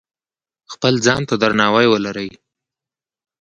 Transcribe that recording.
خپل ځان ته درناوی ولرئ.